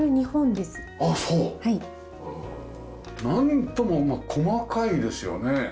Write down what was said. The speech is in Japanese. なんとも細かいですよね。